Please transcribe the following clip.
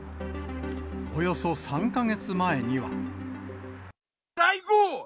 およそ３か月前には。